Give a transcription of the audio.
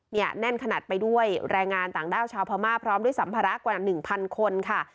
แน่นขนาดไปด้วยแรงงานต่างด้าวชาวพม่าพร้อมด้วยสัมภาระกว่าหนึ่งพันคนค่ะ